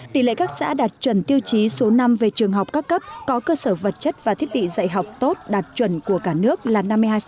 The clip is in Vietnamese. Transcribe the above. tỷ lệ các xã đạt chuẩn tiêu chí số năm về trường học các cấp có cơ sở vật chất và thiết bị dạy học tốt đạt chuẩn của cả nước là năm mươi hai